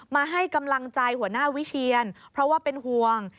มาให้กำลังใจหัวหน้าวิเชียนเพราะว่าเป็นห่วง